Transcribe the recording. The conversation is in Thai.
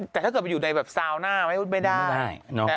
แต่ถ้าเกิดไปอยู่ในซาวน่าก็ไม่ได้